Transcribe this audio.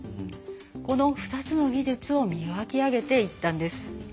この２つの技術を磨き上げていったんです。